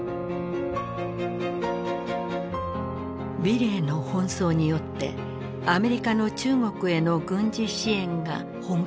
美齢の奔走によってアメリカの中国への軍事支援が本格化した。